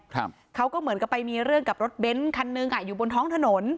ครับเขาก็เหมือนกับไปมีเรื่องกับรถเบ้นคันหนึ่งอ่ะอยู่บนท้องถนน